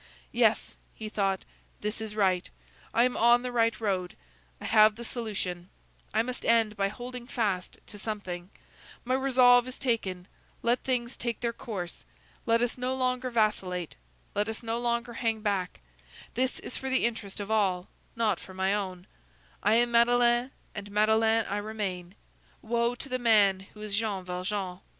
"Yes," he thought, "this is right; I am on the right road; I have the solution; I must end by holding fast to something; my resolve is taken; let things take their course; let us no longer vacillate; let us no longer hang back; this is for the interest of all, not for my own; I am Madeleine, and Madeleine I remain. Woe to the man who is Jean Valjean!